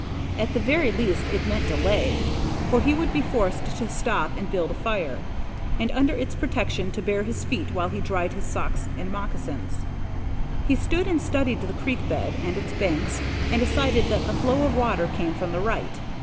At the very least it meant delay, for he would be forced to stop and build a fire, and under its protection to bare his feet while he dried his socks and moccasins. He stood and studied the creek bed and its banks, and decided that the flow of water came from the right.